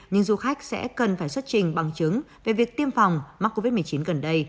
nhưng du khách sẽ cần phải xuất trình bằng chứng về việc tiêm phòng mắc covid một mươi chín gần đây